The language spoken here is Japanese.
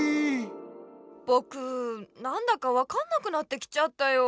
ぼくなんだかわかんなくなってきちゃったよ。